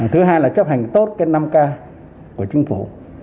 thứ hai là chấp hành tốt cái năm k của chính phủ